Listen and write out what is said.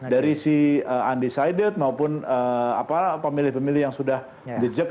dari si undecided maupun pemilih pemilih yang sudah di job